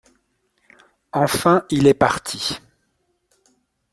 Enfin il est parti.